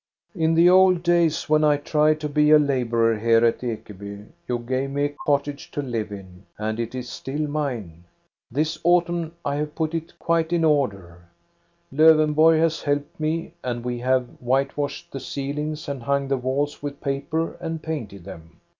" In the old days, when I tried to be a laborer here at Ekeby, you gave me a cottage to live in, and it is still mine. This autumn I have put it quite in order. Lowenborg has helped me, and we have whitewashed the ceilings and hung the walls with paper and painted them.